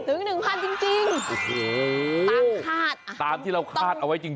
ถึง๑๐๐๐จริงตามคาดตามที่เราคาดเอาไว้จริง